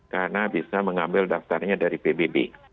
karena bisa mengambil daftarnya dari pbb